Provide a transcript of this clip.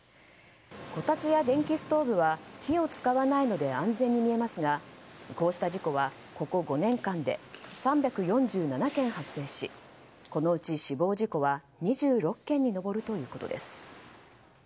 こたつや電気ストーブは火を使わないので安全に見えますがこうした事故はここ５年間で３４７件発生しこのうち死亡事故は２６件に上るということです。